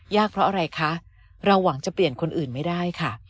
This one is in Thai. เพราะอะไรคะเราหวังจะเปลี่ยนคนอื่นไม่ได้ค่ะ